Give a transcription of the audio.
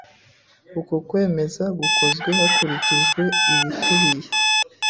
Uko kwemeza gukozwe hakurikijwe ibikubiye